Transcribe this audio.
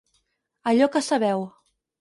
Allò que sabeu.